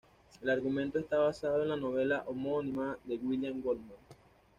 El argumento está basado en la novela homónima de William Goldman.